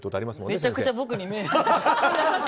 めちゃくちゃ僕に。